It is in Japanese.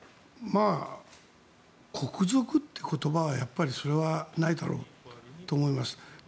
国賊って言葉はやっぱりそれはないだろうと思います。